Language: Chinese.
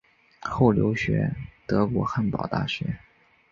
后留学德国汉堡大学。